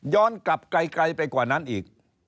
กลับไกลไปกว่านั้นอีก